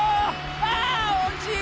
あおしい！